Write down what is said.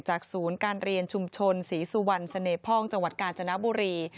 ศูนย์การเรียนชุมชนศรีสุวรรณเสน่หพ่องจังหวัดกาญจนบุรี